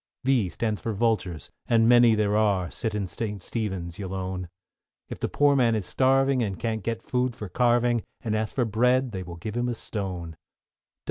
=V= stands for Vultures, and many there are Sit in St. Stephen's, you'll own; If the poor man is starving and can't get food for carving, And asks for bread, they will give him a stone.